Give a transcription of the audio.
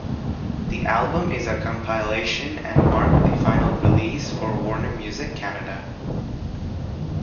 The album is a compilation, and marked their final release for Warner Music Canada.